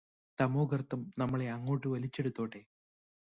തമോഗര്ത്തം നമ്മളെ അങ്ങോട്ട് വലിച്ചെടുത്തോട്ടെ